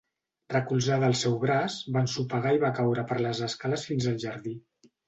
Recolzada al seu braç, va ensopegar i va caure per les escales fins al jardí.